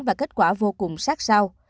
và kết quả vô cùng sát sao